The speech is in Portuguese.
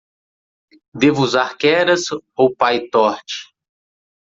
Devo usar Keras ou Pytorch?